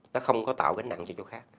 nó không có tạo gánh nặng cho chỗ khác